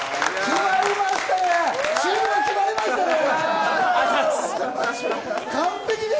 決まりましたね！